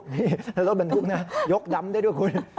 ถ้ารถบรรทุกยกดำได้ด้วยคุณ